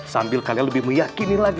sambil kalian lebih meyakini lagi